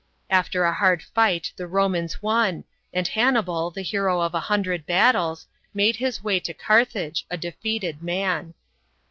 After a hard fight the Romans won, and Hannibal, the hero of a hundred battles, made his way to Carthage a defeated man.